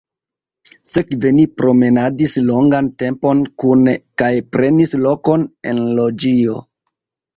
Sekve ni promenadis longan tempon kune kaj prenis lokon en loĝio.